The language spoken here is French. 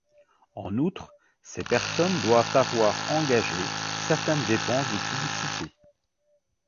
En outre, ces personnes doivent avoir engagé certaines dépenses de publicité.